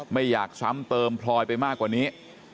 ไม่อยากซ้ำเติมพลอยไปมากกว่านี้